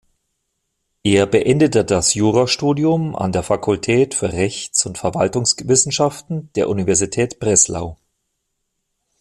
Er beendete das Jura-Studium an der Fakultät für Rechts- und Verwaltungswissenschaften der Universität Breslau.